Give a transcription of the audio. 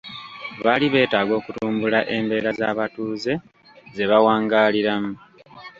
Baali beetaaga okutumbula embeera z'abatuuze ze bawangaaliramu.